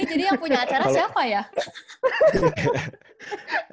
ini jadi yang punya acara siapa ya